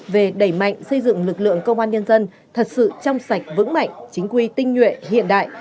về đẩy mạnh xây dựng lực lượng công an nhân dân thật sự trong sạch vững mạnh chính quy tinh nhuệ hiện đại